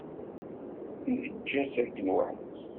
Yeǧǧa-tt akken weḥd-s.